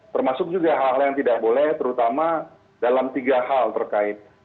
termasuk juga hal hal yang tidak boleh terutama dalam tiga hal terkait